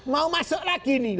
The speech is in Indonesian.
mau masuk lagi nih